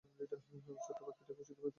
এবং ছোট্ট পাখিটা খুশিতে মেতে উঠল।